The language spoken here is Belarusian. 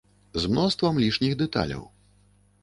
З мноствам лішніх дэталяў.